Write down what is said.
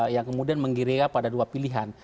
yang kemudian menggiria pada dua pilihan